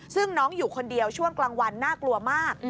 ซึ่งน้องอยู่คนเดียวช่วงกลางวันน่ากลัวมาก